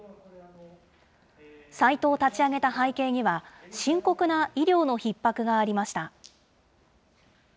サイトを立ち上げた背景には、深刻な医療のひっ迫がありました。